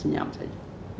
dia hanya senyap saja